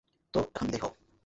তো, এখন বিদায় হও।